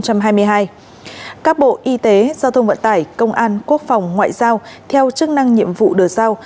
các bộ y tế giao thông vận tải công an quốc phòng ngoại giao theo chức năng nhiệm vụ được giao